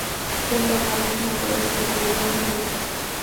Son llamados motores de volumen libre.